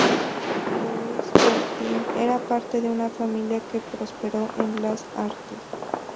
Louise Bertin era parte de una familia que prospero en las artes.